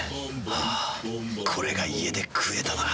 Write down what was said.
あぁこれが家で食えたなら。